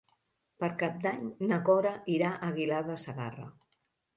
Per Cap d'Any na Cora irà a Aguilar de Segarra.